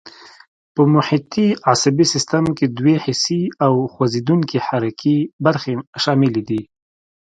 په محیطي عصبي سیستم کې دوې حسي او خوځېدونکي حرکي برخې شاملې دي.